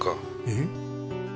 えっ？